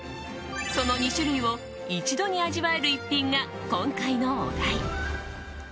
その２種類を一度に味わえる逸品が今回のお題。